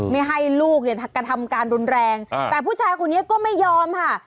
ไม่ให้ลูกเนี่ยกระทำการรุนแรงแต่ผู้ชายคนนี้ก็ไม่ยอมค่ะ